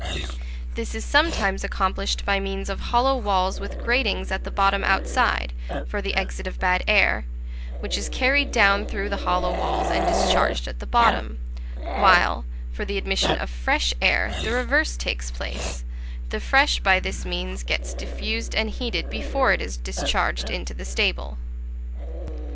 This is sometimes accomplished by means of hollow walls with gratings at the bottom outside, for the exit of bad air, which is carried down through the hollow walls and discharged at the bottom, while, for the admission of fresh air, the reverse takes place: the fresh by this means gets diffused and heated before it is discharged into the stable.